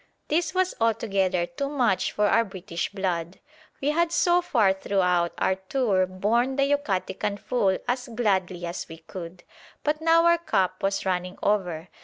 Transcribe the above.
This was altogether too much for our British blood. We had so far throughout our tour borne the Yucatecan fool as gladly as we could, but now our cup was running over.